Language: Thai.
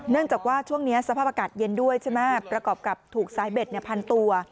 จากว่าช่วงนี้สภาพอากาศเย็นด้วยใช่ไหมประกอบกับถูกสายเบ็ดพันตัว